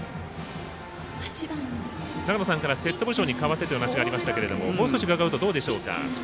長野さんからセットポジションに変わってという話がありましたがもう少し伺うとどうでしょうか。